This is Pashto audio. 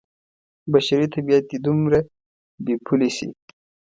بشري طبعیت دې دومره بې پولې شي.